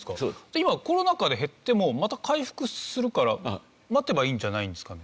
今コロナ禍で減ってもまた回復するから待てばいいんじゃないんですかね？